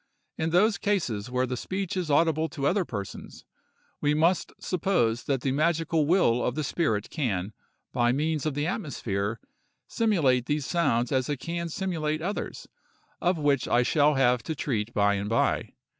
In those cases where the speech is audible to other persons, we must suppose that the magical will of the spirit can, by means of the atmosphere, simulate these sounds as it can simulate others, of which I shall have to treat by and by.